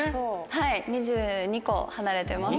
はい２２コ離れてます。